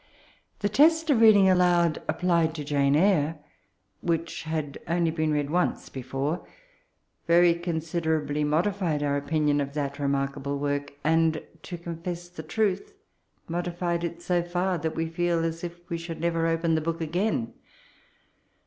The test of reading aloud applied to Jane Evre, which had only been read once before, very con siderably modified our opinion of that remarkable work; and, to con fess the truth, modified it so far that we feel as if we should never open the book again.